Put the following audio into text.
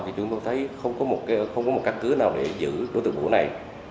thì chúng tôi thấy không có một căn cứ nào để giữ đối tượng vũ này